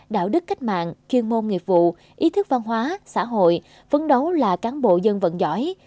đạo đức cách mạng chuyên môn nghiệp vụ ý thức văn hóa xã hội phấn đấu là cán bộ dân vận giỏi